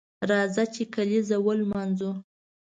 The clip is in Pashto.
راځه چې کالیزه ونمانځو